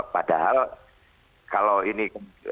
padahal kalau ini